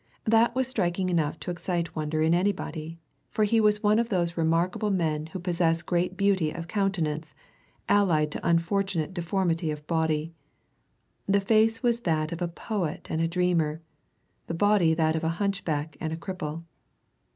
That was striking enough to excite wonder in anybody, for he was one of those remarkable men who possess great beauty of countenance allied to unfortunate deformity of body. The face was that of a poet and a dreamer, the body that of a hunchback and a cripple.